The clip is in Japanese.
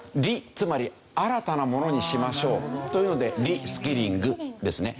つまり新たなものにしましょうというので「ｒｅｓｋｉｌｌｉｎｇ」ですね。